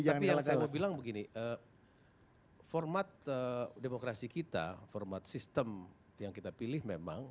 tapi yang saya mau bilang begini format demokrasi kita format sistem yang kita pilih memang